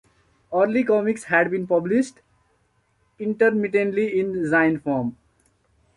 Early comics had been published, intermittently, in zine form.